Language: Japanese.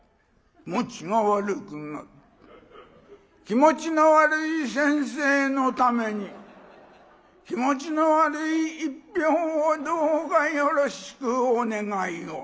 気持ちの悪い先生のために気持ちの悪い１票をどうかよろしくお願いを」。